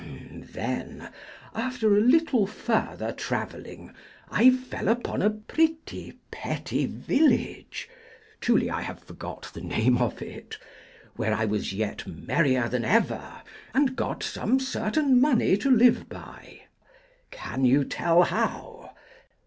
Then, after a little further travelling, I fell upon a pretty petty village truly I have forgot the name of it where I was yet merrier than ever, and got some certain money to live by. Can you tell how?